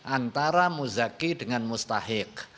antara muzaki dengan mustahik